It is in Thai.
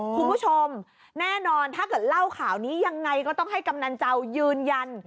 คุณผู้ชมแน่นอนถ้าเกิดเล่าข่าวนี้ยังไงก็ต้องให้กำนันเจ้ายืนยัน